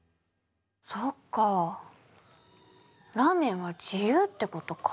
そっかラーメンは自由ってことか。